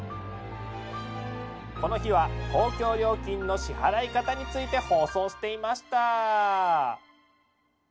この日は公共料金の支払い方について放送していました。